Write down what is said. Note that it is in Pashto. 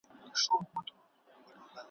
هره ورځ یې په لېدلو لکه ګل تازه کېدمه `